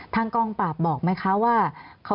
ทางกองปราบบอกไหมคะว่า